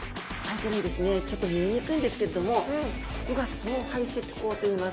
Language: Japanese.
ちょっと見えにくいんですけれどもここが総排泄腔といいます。